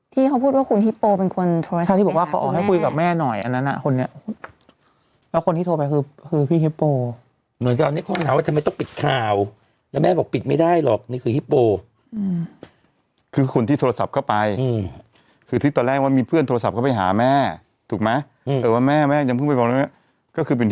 ที่เขาพูดว่าคุณฮิปโปเป็นคนโทรให้เข้าที่บอกว่าเขาออกให้คุยกับแม่หน่อยอันนั้นอ่ะคนนี้แล้วคนที่โทรไปคือคือพี่ฮิปโปเหมือนตอนนี้คนถามว่าทำไมต้องปิดข่าวแล้วแม่บอกปิดไม่ได้หรอกนี่คือฮิปโปคือคนที่โทรศัพท์เข้าไปคือที่ตอนแรกว่ามีเพื่อนโทรศัพท์เข้าไปหาแม่ถูกไหมแต่ว่าแม่แม่ยังเพิ่งไปบอกแม่ก็คือเป็น